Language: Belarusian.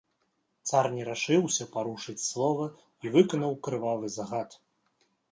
Цар не рашыўся парушыць слова і выканаў крывавы загад.